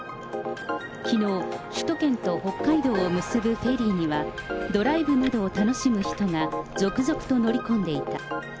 きのう、首都圏と北海道を結ぶフェリーには、ドライブなどを楽しむ人が続々と乗り込んでいた。